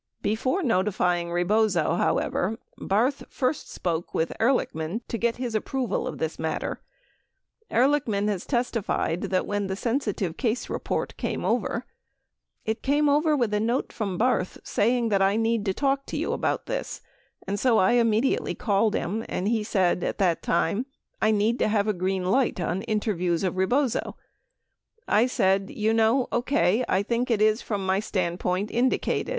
6 Before notifying Rebozo, however, Barth first spoke with Ehrlichman to get his aproval of this matter. 7 Ehrlichman has testi fied that when the sensitive case report came over :it came over with a note from Barth saying that I need to talk to you about this and so I immediately called him and he said at that time "I need to have a green light on interviews of Rebozo I said, "You know, OK, I think it is from my standpoint indicated.